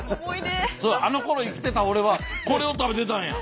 あのころ生きてた俺はこれを食べてたんや！